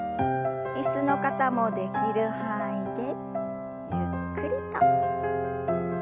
椅子の方もできる範囲でゆっくりと。